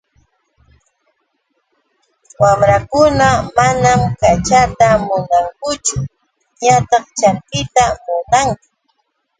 Wamrakuna manam kachata munankuchu ñataq charkita munanku.